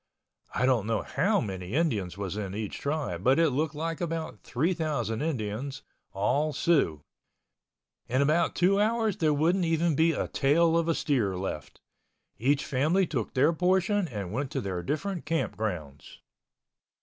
I don't know how many Indians was in each tribe but it looked like about 3,000 Indians—all Siouxs. In about two hours there wouldn't even be a tail of a steer left. Each family took their portion and went to their different camp grounds.